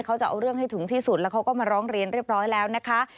เขาจะเอาเรื่องให้ถึงที่สุดแล้วเขาก็มาร้องเรียนเรียบร้อยแล้วนะคะ